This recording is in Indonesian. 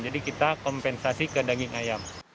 kita kompensasi ke daging ayam